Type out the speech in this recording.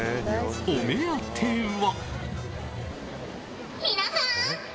お目当ては。